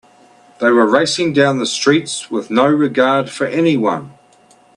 They were racing down the streets with no regard for anyone.